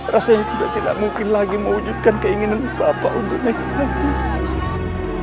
rasanya juga tidak mungkin lagi mewujudkan keinginan papa untuk naik ke laju